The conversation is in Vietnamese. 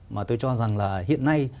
mà tôi cho rằng là hiện nay